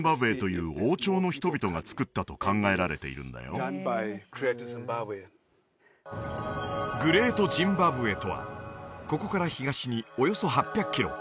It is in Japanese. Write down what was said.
ここはグレート・ジンバブエとはここから東におよそ８００キロ